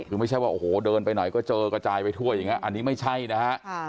คือไม่ใช่ว่าโอ้โหเดินไปไหนก็เจอกระจายไปทั่วอย่างนี้อันนี้ไม่ใช่นะฮะ